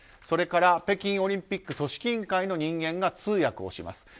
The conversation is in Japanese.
それから、北京オリンピック組織委員会の人間が通訳をします。